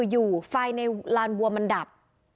อยู่ไฟในลานบัวมันดับ